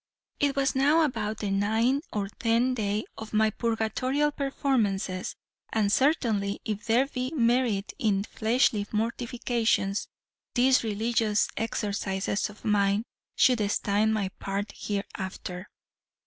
"It was now about the ninth or tenth day of my purgatorial performances; and certainly, if there be any merit in fleshly mortifications, these religious exercises of mine should stand my part hereafter.